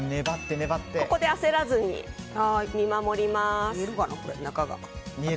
ここで焦らずに見守ります。